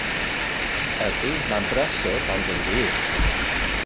Ydy, mae'n brysur ond yn wych.